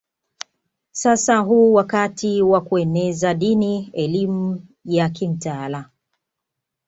Sasa huu wakati wa kueneza dini elimu ya kimtaala